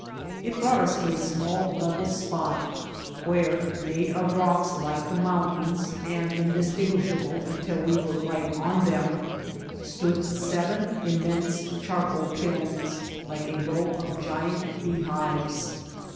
It brought us to a small, level spot where, made of rocks like the mountains and indistinguishable until we were right on them, stood seven immense charcoal kilns like a row of giant beehives.